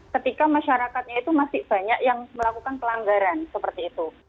ketika masyarakatnya itu masih banyak yang melakukan pelanggaran seperti itu